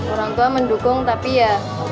orang tua mendukung tapi ya